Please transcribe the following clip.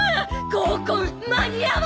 合コン間に合わなーい！